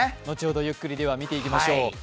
後ほどゆっくり見ていきましょう。